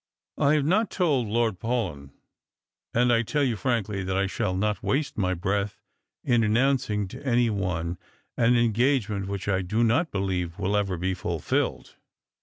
I have not told Lord Paulyn, and I tell you frankly that I shall not waste my breath in announcing to any one an engagement which I do not believe will ever be ful filled."